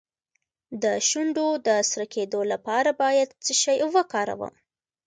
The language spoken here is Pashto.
د شونډو د سره کیدو لپاره باید څه شی وکاروم؟